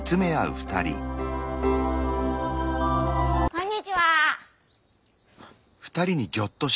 こんにちは。